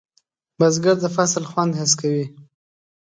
بزګر د فصل خوند حس کوي